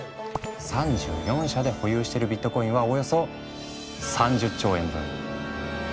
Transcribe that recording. ３４社で保有しているビットコインはおよそ３０兆円分。